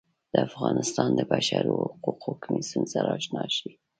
د افغانستان د بشر د حقونو کمیسیون سره اشنا شي.